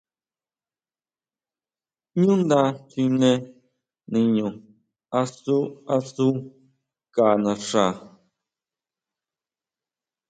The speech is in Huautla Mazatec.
ʼÑú nda chine niño asu asu ka naxa.